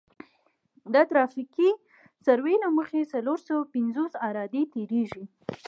د ترافیکي سروې له مخې څلور سوه پنځوس عرادې تیریږي